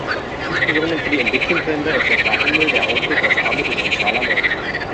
Insbesondere für die Entwicklungsländer ist der Freihandel der Ausweg aus Armut und sozialer Not.